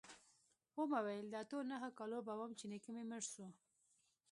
ومې ويل د اتو نهو کالو به وم چې نيکه مړ سو.